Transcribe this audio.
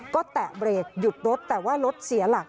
ก็แตะเบรกหยุดรถแต่ว่ารถเสียหลัก